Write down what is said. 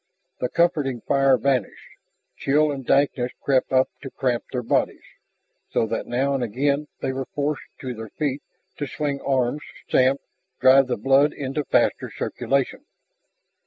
The comforting fire vanished, chill and dankness crept up to cramp their bodies, so that now and again they were forced to their feet, to swing arms, stamp, drive the blood into faster circulation.